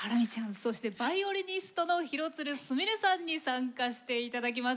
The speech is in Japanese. そしてバイオリニストの廣津留すみれさんに参加して頂きます。